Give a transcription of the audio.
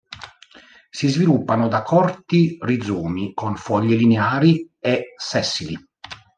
Si sviluppano da corti rizomi con foglie lineari e sessili.